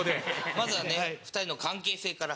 まずはね２人の関係性から。